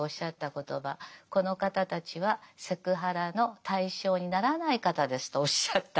「この方たちはセクハラの対象にならない方です」とおっしゃった。